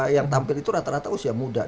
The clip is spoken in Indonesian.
yang tampil itu rata rata usia muda